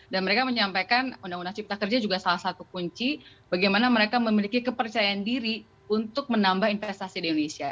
dan mereka menyampaikan undang undang cipta kerja juga salah satu kunci bagaimana mereka memiliki kepercayaan diri untuk menambah investasi di indonesia